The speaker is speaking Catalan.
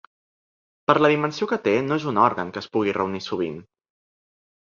Per la dimensió que té, no és un òrgan que es pugui reunir sovint.